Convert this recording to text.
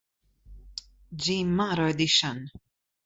G-Maru Edition